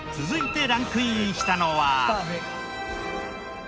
続いてランクインしたのは。